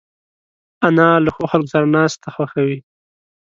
انا له ښو خلکو سره ناستې خوښوي